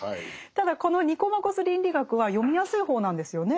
ただこの「ニコマコス倫理学」は読みやすい方なんですよね。